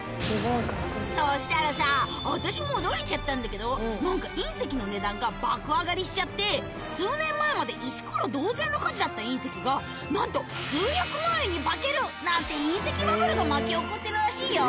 そしたらさあたしも驚いちゃったんだけどなんか隕石の値段が爆上がりしちゃって数年前まで石ころ同然の価値だった隕石がなんと数百万円に化ける！なんて隕石バブルが巻き起こってるらしいよ